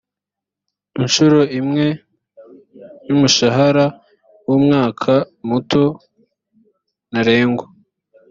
inshuro imwe y umushahara w umwaka muto ntarengwa